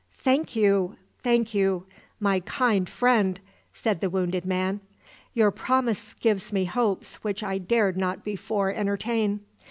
"Thank you, thank you, my kind friend!" said the wounded man. "Your promise gives me hopes which I dared not before entertain.